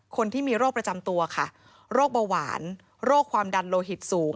คนที่มีโรคประจำตัวค่ะโรคเบาหวานโรคความดันโลหิตสูง